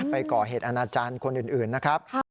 ไปก่อเหตุอาณาจารย์คนอื่นนะครับ